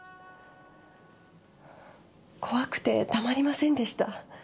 怖くてたまりませんでした。